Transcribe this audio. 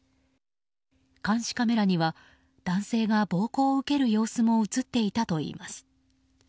監視カメラには男性が暴行を受ける様子も映っていたといいます。